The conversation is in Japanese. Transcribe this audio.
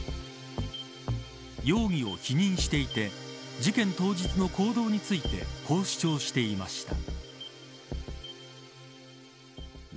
容疑を否認していて事件当日の行動についてこう主張していました。